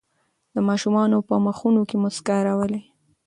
د ماشومانو په مخونو کې مسکا راولئ.